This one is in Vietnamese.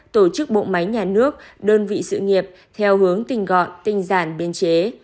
tổ chức bộ máy nhà nước đơn vị sự nghiệp theo hướng tình gọn tinh giản biên chế